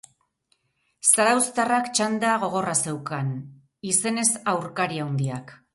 Zarauztarrak txanda gogorra zeukan, izenez aurkari handiak.